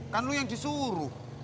kan lo yang disuruh